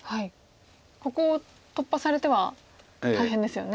ここを突破されては大変ですよね。